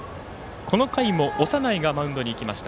この回も、長内がマウンドに行きました。